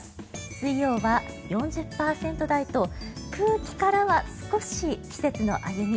水曜は４０％台と空気からは少し季節の歩み